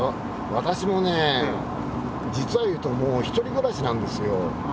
私もね実は言うともう一人暮らしなんですよ。